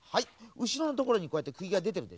うしろのところにこうやってくぎがでてるでしょ？